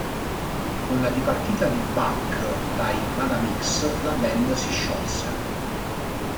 Con la dipartita di Bach dai Madam X, la band si sciolse.